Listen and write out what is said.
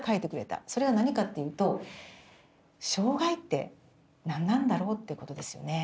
それは何かっていうと障害って何なんだろうってことですよね。